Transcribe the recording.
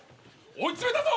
追い詰めたぞ！